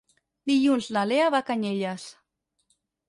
Dilluns na Lea va a Canyelles.